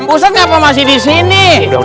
usah ngapa masih di sini